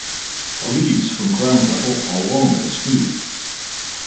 The leaves from ground level are long and smooth.